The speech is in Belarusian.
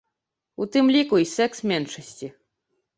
У тым ліку і секс-меншасці.